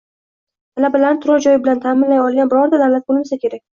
Talabalarni turar joy bilan taʼminlay olgan birorta davlat boʻlmasa kerak.